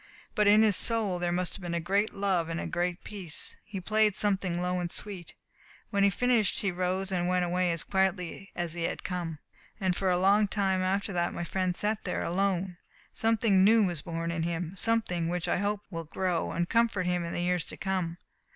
But in his soul there must have been a great love and a great peace. He played something low and sweet. When he had finished he rose and went away as quietly as he had come, and for a long time after that my friend sat there alone. Something new was born in him, something which I hope will grow and comfort him in the years to come.